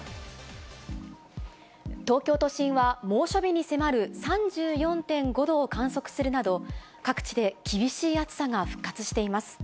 東京都心は猛暑日に迫る３４．５度を観測するなど、各地で厳しい暑さが復活しています。